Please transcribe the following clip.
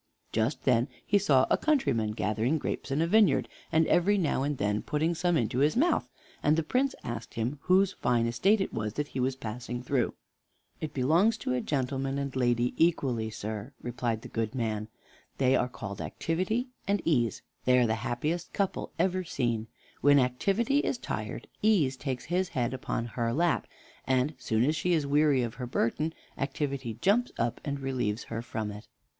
Just then he saw a countryman gathering grapes in a vineyard, and every now and then putting some into his mouth, and the Prince asked him whose fine estate it was that he was passing through. "It belongs to a gentleman and lady equally, sir," replied the good man; "they are called Activity and Ease. They are the happiest couple ever seen. When Activity is tired, Ease takes his head upon her lap; and soon as she is weary of her burden, Activity jumps up and relieves her from it."